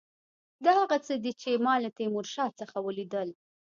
دا هغه څه دي چې ما له تیمورشاه څخه ولیدل.